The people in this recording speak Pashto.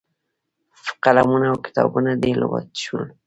قلمونه او کتابونه دې لوټ شول.